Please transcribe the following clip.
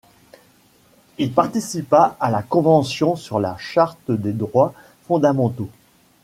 Il participa à la Convention sur la charte des droits fondamentaux.